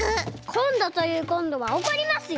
こんどというこんどはおこりますよ！